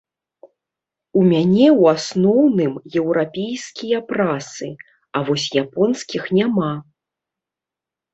У мяне ў асноўным еўрапейскія прасы, а вось японскіх няма.